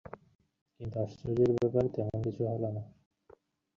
বিনোদিনী তাহার ছেলেবেলাকার কথা বলিতে লাগিল, তাহার বাপমায়ের কথা, তাহার বাল্যসখির কথা।